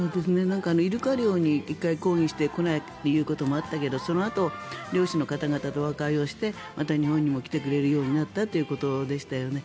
イルカ漁に抗議して来ないということもあったけどそのあと漁師の方々と和解してまた日本にも来てくれるようになったということでしたよね。